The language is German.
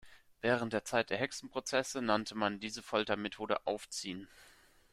Während der Zeit der Hexenprozesse nannte man diese Foltermethode „Aufziehen“.